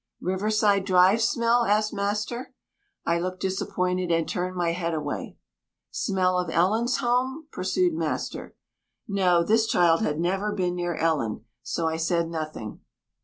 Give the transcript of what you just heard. "Riverside Drive smell?" asked master. I looked disappointed, and turned my head away. "Smell of Ellen's home?" pursued master. No, this child had never been near Ellen, so I said nothing.